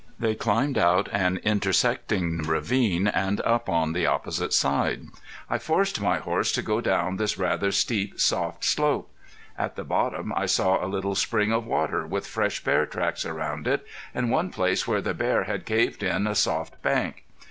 They climbed out an intersecting ravine and up on the opposite side. I forced my horse to go down this rather steep soft slope. At the bottom I saw a little spring of water with fresh bear tracks around it, and one place where the bear had caved in a soft bank.